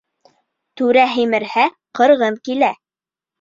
Түрә һимерһә, ҡырғын килә.